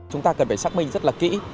chúng ta cần phải xác minh rất là kỹ